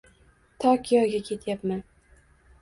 Tokioga ketyapman